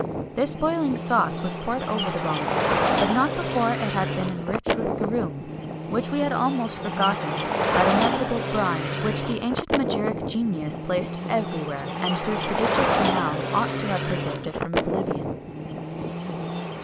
This boiling sauce was poured over the rhombo, but not before it had been enriched with garum,[XXI 182] which we had almost forgotten that inevitable brine which the ancient magiric genius placed everywhere, and whose prodigious renown ought to have preserved it from oblivion.